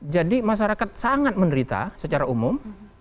jadi masyarakat sangat menderita secara umum